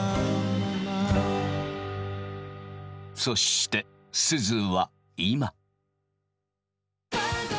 そしてすずは今。